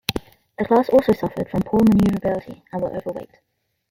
The class also suffered from poor maneuverability and were overweight.